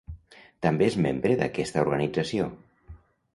També és membre d"aquesta organització.